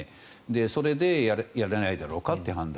それでやれないだろうかという判断。